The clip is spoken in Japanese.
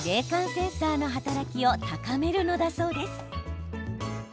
センサーの働きを高めるのだそうです。